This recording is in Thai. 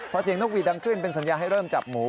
พอเสียงนกหวีดดังขึ้นเป็นสัญญาให้เริ่มจับหมู